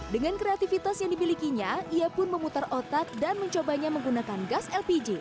dengan kreativitas yang dimilikinya ia pun memutar otak dan mencobanya menggunakan gas lpg